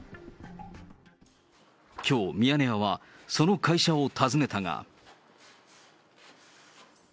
きょう、ミヤネ屋はその会社を訪ねたが。